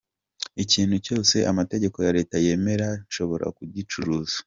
Ikintu cyose amategeko ya Leta yemera nshobora kugicuruza.